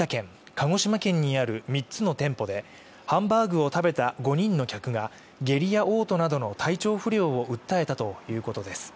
鹿児島県にある３つの店舗でハンバーグを食べた５人の客が下痢や嘔吐などの体調不良を訴えたということです